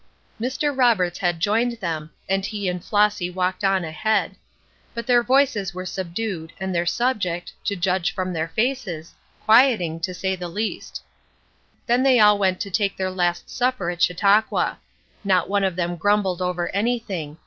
Mr. Roberts had joined them, and he and Flossy walked on ahead. But their voices were subdued and their subject to judge from their faces, quieting, to say the least. Then they all went to take their last supper at Chautauqua. Not one of them grumbled over anything.